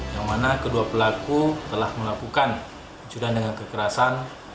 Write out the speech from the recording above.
yang mana kedua pelaku telah melakukan judan dengan kekerasan